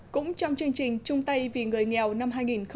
cũng trong chương trình chung tay vì người nghèo năm hai nghìn một mươi bảy